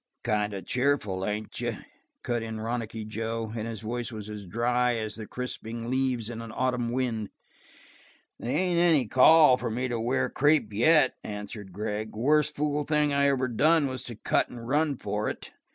"Kind of cheerful, ain't you?" cut in Ronicky Joe, and his voice was as dry as the crisping leaves in an autumn wind. "They ain't any call for me to wear crepe yet," answered Gregg. "Worst fool thing I ever done was to cut and run for it.